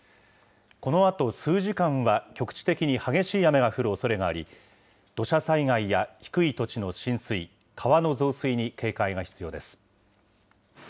このあと数時間は局地的に激しい雨が降るおそれがあり、土砂災害や低い土地の浸水、川の増水に警戒が必要です。